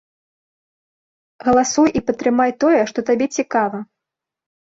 Галасуй і падтрымай тое, што табе цікава!